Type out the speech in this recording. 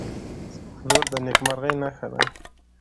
• لور د نیکمرغۍ نښه ده.